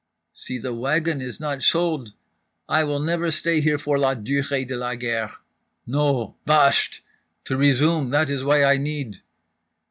"Si the wagon is not sold … I never will stay here for la durée de la guerre. No—bahsht! To resume, that is why I need…."